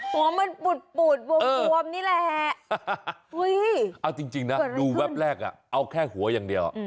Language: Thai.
หัวมันปุดวงนี่แหละอุ้ยเกิดแล้วขึ้นเอาจริงนะดูแวบแรกอ่ะเอาแค่หัวอย่างเดียว